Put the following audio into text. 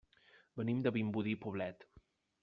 Venim de Vimbodí i Poblet.